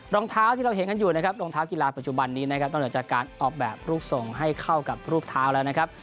รองเท้าที่เราเห็นกันอยู่นะครับรองเท้ากีฬาปัจจุบันนี้นะครับนอกเหนือจากการออกแบบรูปส่งให้เข้ากับรูปเท้าแล้วนะครับ